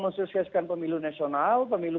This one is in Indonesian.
menyesuaikan pemilu nasional pemilu